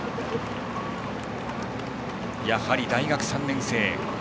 やはり大学３年生。